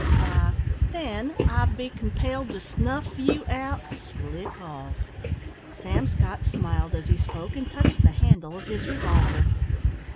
"Why, then, I'd be compelled to snuff you out slick off?" Sam Scott smiled as he spoke, and touched the handle of his revolver.